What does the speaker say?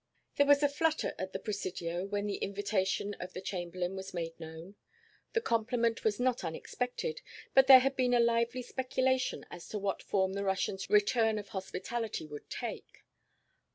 There was a flutter at the Presidio when the invitation of the Chamberlain was made known. The compliment was not unexpected, but there had been a lively speculation as to what form the Russian's return of hospitality would take.